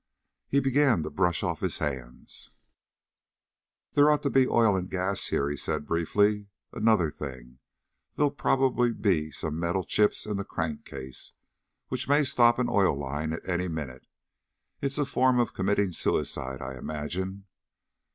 He began to brush off his hands. "There ought to be oil and gas here," he said briefly. "Another thing, there'll probably be some metal chips in the crankcase, which may stop an oil line at any minute. It's a form of committing suicide, I imagine."